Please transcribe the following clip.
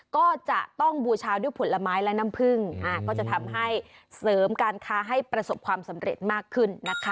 ก็จะต้องบูชาด้วยผลไม้และน้ำผึ้งก็จะทำให้เสริมการค้าให้ประสบความสำเร็จมากขึ้นนะคะ